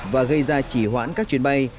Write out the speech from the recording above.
và gây ra chỉ hoãn các chuyến bay